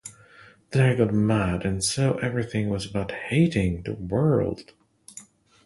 Then I got mad and so everything was about hating the world.